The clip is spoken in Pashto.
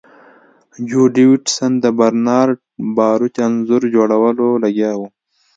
جو ډیویډ سن د برنارډ باروچ انځور جوړولو لګیا و